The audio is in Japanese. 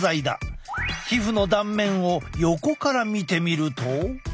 皮膚の断面を横から見てみると。